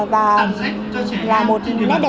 và là một nét đẹp